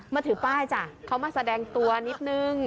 ถือป้ายจ้ะเขามาแสดงตัวนิดนึง